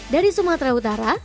dari sumatera utara